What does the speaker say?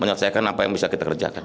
menyelesaikan apa yang bisa kita kerjakan